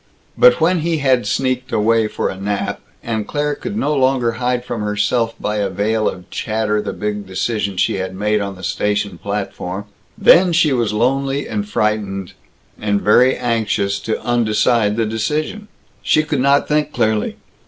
But when he had sneaked away for a nap, and Claire could no longer hide from herself by a veil of chatter the big decision she had made on the station platform, then she was lonely and frightened and very anxious to undecide the decision. She could not think clearly.